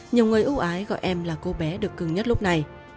nhiều người ưu ái gọi em là cô bé được cưng nhất lúc này